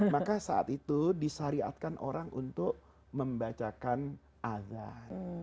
maka saat itu disariatkan orang untuk membacakan azan